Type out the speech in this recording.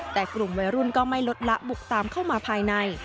แต่กลุ่มวัยรุ่นก็ไม่ลดละบุกตามเข้ามาภายใน